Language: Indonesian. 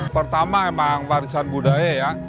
pertama emang warisan budaya ya